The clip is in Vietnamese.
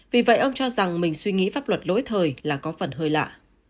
vì vậy ông cho rằng mình suy nghĩ pháp luật lỗi thời là có phần hơi lạ